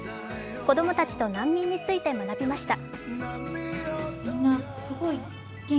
子供たちと難民について学びました。